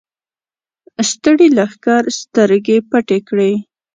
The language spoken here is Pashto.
ستړي لښکر سترګې پټې کړې.